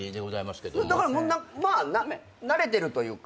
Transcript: だからまあ慣れてるというか。